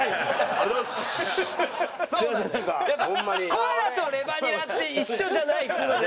コアラとレバニラって一緒じゃないからね。